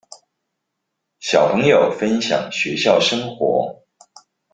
小朋友分享學校生活